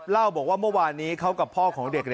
เล่าบอกว่าเมื่อวานนี้เขากับพ่อของเด็ก